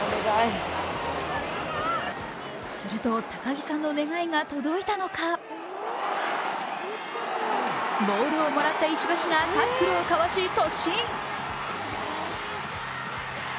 すると高木さんの願いが届いたのかボールをもらった石橋がタックルをかわし、突進。